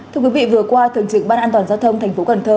thưa quý vị vừa qua thượng trưởng ban an toàn giao thông thành phố cần thơ